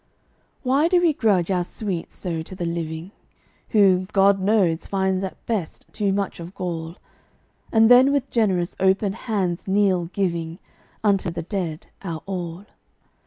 Why do we grudge our sweets so to the living Who, God knows, find at best too much of gall, And then with generous, open hands kneel, giving Unto the dead our all?